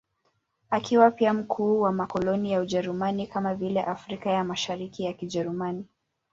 Akiwa pia mkuu wa makoloni ya Ujerumani, kama vile Afrika ya Mashariki ya Kijerumani.